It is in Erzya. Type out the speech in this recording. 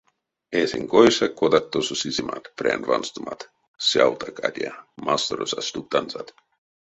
Эсень койсэ, кодат тосо сиземат, прянь ванстомат, сявтак адя — масторось а стувттанзат.